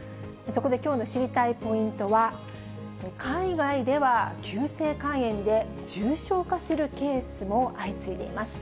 そこできょうの知りたいポイントは、海外では急性肝炎で重症化するケースも相次いでいます。